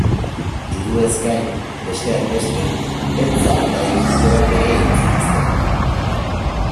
Juduez gain, besteak beste, beltzak eta ijitoak ere hil zituzten.